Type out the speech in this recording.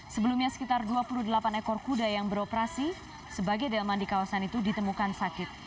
sebelumnya sekitar dua puluh delapan ekor kuda yang beroperasi sebagai delman di kawasan itu ditemukan sakit